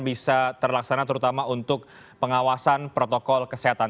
bisa terlaksana terutama untuk pengawasan protokol kesehatan